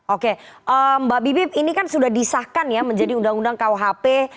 oke mbak bibip ini kan sudah disahkan ya menjadi undang undang kuhp